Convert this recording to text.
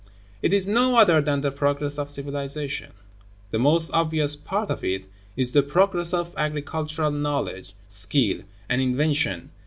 It is no other than the progress of civilization. The most obvious [part of it] is the progress of agricultural knowledge, skill, and invention.